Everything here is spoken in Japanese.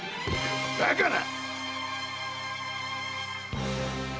バカな！